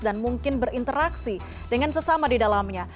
dan mungkin berinteraksi dengan sesama di dalamnya